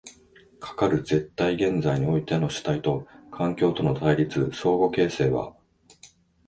かかる絶対現在においての主体と環境との対立、相互形成は